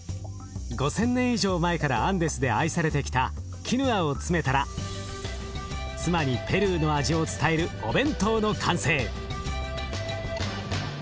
５，０００年以上前からアンデスで愛されてきたキヌアを詰めたら妻にペルーの味を伝えるお弁当の完成！